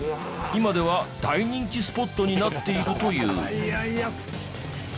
今では大人気スポットになっているという。